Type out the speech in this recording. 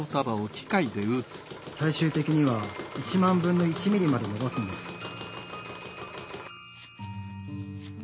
最終的には１万分の１ミリまで延ばすんです。